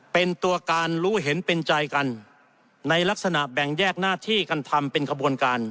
เป็นตัวการรู้เห็นเป็นใจกันในลักษณะแบ่งแยกหน้าที่กันทำเป็นขบวนการ